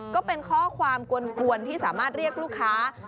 ก็เป็นข้อความกวนที่สามารถเรียกลูกค้า